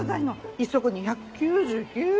一足２９９円。